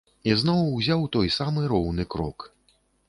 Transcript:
Ізноў узяў той самы роўны крок.